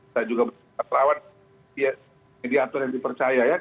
dan juga pak terawan media atur yang dipercaya